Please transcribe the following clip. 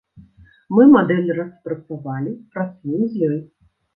Мы мадэль распрацавалі, працуем з ёй.